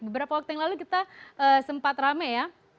beberapa waktu yang lalu kita sempat rame ya